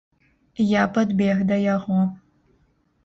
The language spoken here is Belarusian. Я падбег да яго.